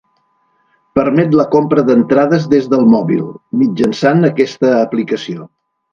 Permet la compra d'entrades des del mòbil, mitjançant aquesta aplicació.